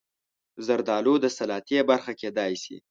زردالو د سلاد برخه کېدای شي.